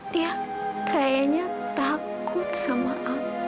dia kayaknya takut sama aku